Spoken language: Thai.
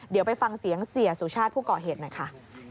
เดี๋ยวไปฟังเสียงเสียสุชาติผู้ก่อเหตุหน่อยค่ะ